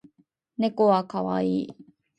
猫は可愛い